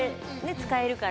使えるから。